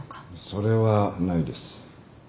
それはないです。